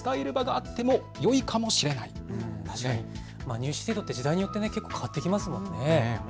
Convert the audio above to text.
入試制度って時代によって変わっていきますもんね。